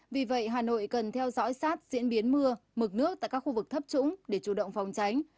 vì vậy hà nội cần theo dõi sát diễn biến mưa mực nước tại các khu vực thấp trũng để chủ động phòng tránh